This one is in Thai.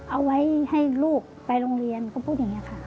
เอาไว้ให้ลูกไปโรงเรียนเขาพูดอย่างนี้ค่ะ